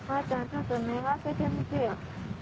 ちょっと目開けてみてよ。